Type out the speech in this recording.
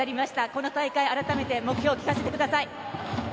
この大会改めて目標を聞かせてください。